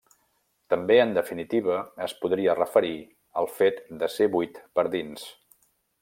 També, en definitiva, es podria referir, al fet de ser buit per dins.